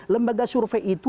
lembaga survei itu